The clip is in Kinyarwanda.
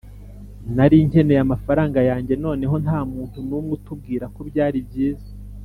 nari nkeneye amafaranga yanjye noneho, ntamuntu numwe utubwira ko byari byiza